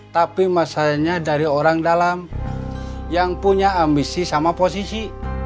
tapi masalahnya dari orang dalam yang punya ambisi sama posisi